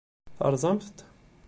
Terẓamt-t?